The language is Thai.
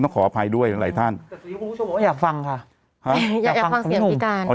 ต้องขออภัยด้วยหลายท่านอยากฟังค่ะอยากฟังเสียงอีกพี่การ